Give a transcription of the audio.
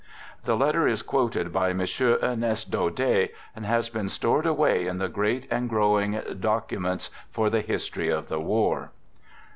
The letter is quoted by M. Ernest Daudet, and has been stored away in the great and growing " Documents for the History of the War."